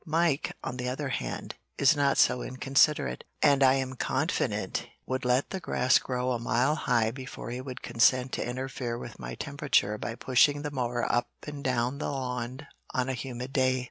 Mike, on the other hand, is not so inconsiderate, and I am confident would let the grass grow a mile high before he would consent to interfere with my temperature by pushing the mower up and down the lawn on a humid day."